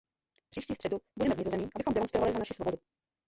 Příští středu budeme v Nizozemí, abychom demonstrovali za naši svobodu.